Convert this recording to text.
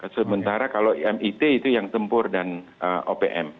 sementara kalau mit itu yang tempur dan opm